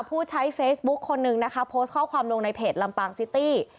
ผู้ใช้เฟซบุ๊คคนนึงนะคะโพสต์ข้อความลงในเพจลำปางซิตี้